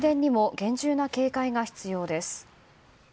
厳重な警戒が必要です。